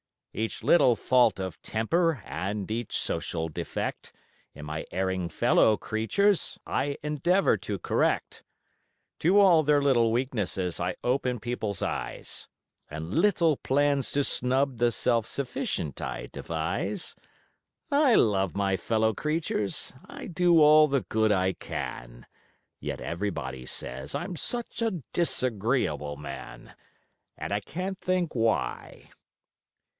Each little fault of temper and each social defect In my erring fellow creatures, I endeavor to correct. To all their little weaknesses I open people's eyes And little plans to snub the self sufficient I devise; I love my fellow creatures I do all the good I can Yet everybody say I'm such a disagreeable man! And I can't think why!